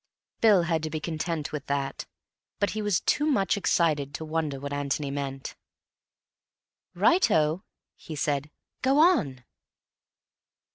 Bill, had to be content with that, but he was too much excited to wonder what Antony meant. "Righto," he said. "Go on."